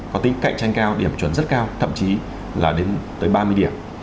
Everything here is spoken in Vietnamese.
có tính cạnh tranh cao điểm chuẩn rất cao thậm chí là đến tới ba mươi điểm